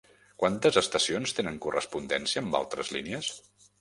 Quantes estacions tenen correspondència amb altres línies?